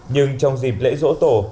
nhưng trong dịp lễ rỗ tổ